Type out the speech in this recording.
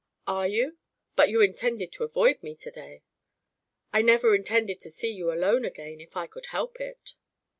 "Are you? But you intended to avoid me to day!" "I never intended to see you alone again if I could help it."